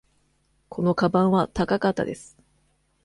このかばんは高かったです。